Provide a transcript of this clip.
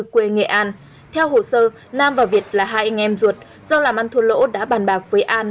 một nghìn chín trăm tám mươi bốn quê nghệ an theo hồ sơ nam và việt là hai anh em ruột do làm ăn thua lỗ đã bàn bạc với an